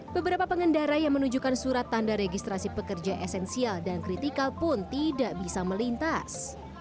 beberapa pengendara yang menunjukkan surat tanda registrasi pekerja esensial dan kritikal pun tidak bisa melintas